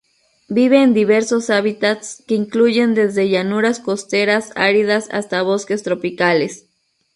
Vive en diversos hábitats que incluyen desde llanuras costeras áridas hasta bosques tropicales.